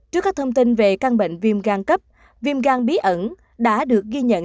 trước các thông tin về căn bệnh viêm gan cấp viêm gan bí ẩn đã được ghi nhận